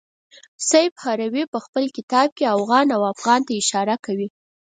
سیف هروي په خپل کتاب کې اوغان او افغان ته اشاره کوي.